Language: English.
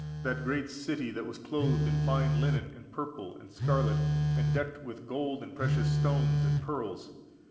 that great city, that was clothed in fine linen, and purple, and scarlet, and decked with gold, and precious stones, and pearls!